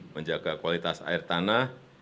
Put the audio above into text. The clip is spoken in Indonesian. menjaga kualitas air tanah